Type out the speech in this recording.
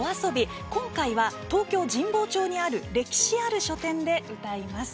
今回は、東京・神保町にある歴史ある書店で歌います。